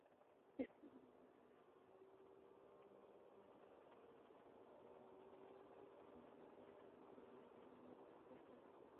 দীর্ঘদিন বনে থাকার কারণে মানবসমাজের রীতিনীতি, সভ্যতা-ভব্যতা শিখতে যথেষ্ট বেগ পেতে হয়েছে মারকোসকে।